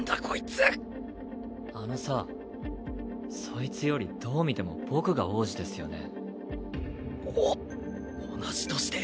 あのさそいつよりどう見ても僕が王子ですよね？